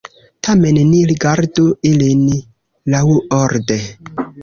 Tamen ni rigardu ilin laŭorde.